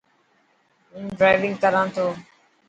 هون ڊرائونگ ڪران ٿو.